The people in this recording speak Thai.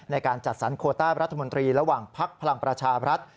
ในการจัดสรรโคต้ารัฐมนตรีระหว่างภักดิ์พลังประชาบรัฐ